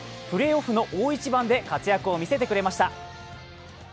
プレーオフの大一番で活躍を見せてくれました。